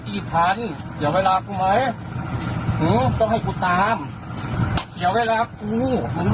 ใช่ตั้งแต่วันไหนค่ะตั้งแต่วันไหน